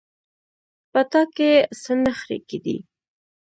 په تا کې څه نخرې کېدې.